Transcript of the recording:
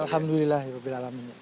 alhamdulillah ya bapak alamin